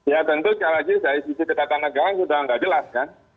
ya tentu sekali lagi dari sisi ketatanegaraan sudah tidak jelas kan